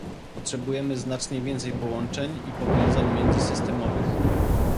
Potrzebujemy znacznie więcej połączeń i powiązań międzysystemowych